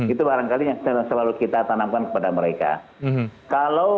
itu barangkali yang selalu kita tanamkan kepada mereka